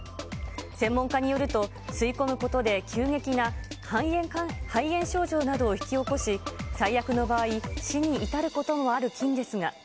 専門家によると、吸い込むことで急激な肺炎症状などを引き起こし、最悪の場合、死に至ることもある菌ですが。